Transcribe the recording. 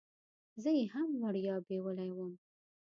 زه یې هم وړیا بیولې وم.